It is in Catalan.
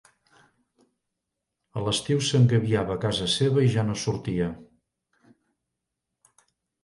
A l'estiu s'engabiava a casa seva i ja no sortia.